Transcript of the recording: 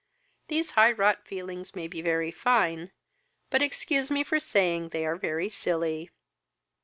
These high wrought feelings may be very fine, but excuse me for saying they are very silly.